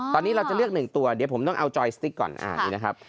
ตอนนี้เราจะเลือก๑ตัวเดี๋ยวผมต้องเอาจอยสติ๊กก่อนอันนี้นะครับ